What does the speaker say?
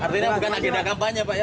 artinya bukan agenda kampanye pak ya